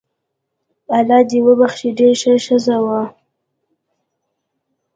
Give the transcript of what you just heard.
الله دي وبخښي ډیره شه ښځه وو